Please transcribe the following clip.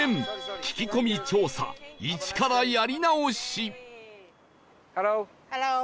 聞き込み調査一からやり直しハロー！